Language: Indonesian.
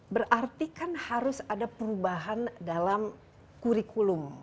berarti kan harus ada perubahan dalam kurikulum